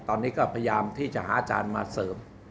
ตอนนี้ก็พยายามที่จะหาอาจารย์มาเสริม